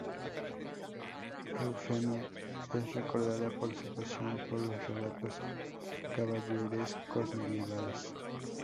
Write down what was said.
Eufemia es recordada por su pasión por los relatos caballerescos medievales.